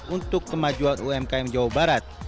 untuk kemajuan umkm jawa barat